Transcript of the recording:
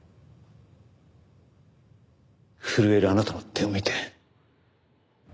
震えるあなたの手を見て。